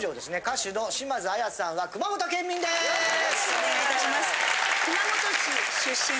お願いいたします。